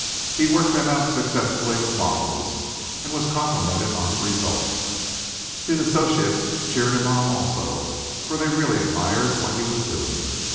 He worked them out successfully with models and was complimented on the result. His associates cheered him on also, for they really admired what he was doing.